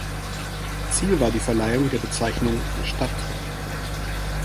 Ziel war die Verleihung der Bezeichnung „Stadt“.